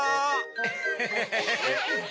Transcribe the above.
エヘヘヘ。